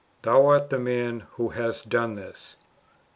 Thou art the man who hast done this."